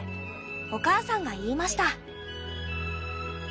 おかあさんが言いました」。